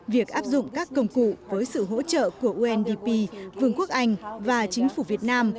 việc áp dụng các công cụ với sự hỗ trợ của undp vương quốc anh và chính phủ việt nam